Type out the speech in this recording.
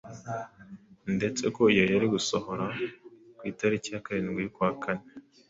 ndetse ko iyo yari gusohora ku itariki ya karindwi y'ukwa kane